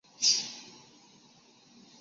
他和父亲随从铁木真统一蒙古诸部。